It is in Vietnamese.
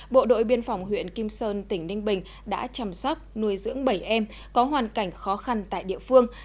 bộ đội biên phòng huyện kim sơn tỉnh ninh bình đã chăm sóc nuôi dưỡng bảy em có hoàn cảnh khó khăn tại địa phương